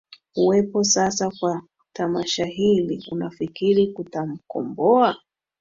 kuwepo sasa kwa tamasha hili unafikiri kutamkomboa